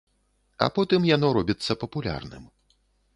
А потым яно робіцца папулярным.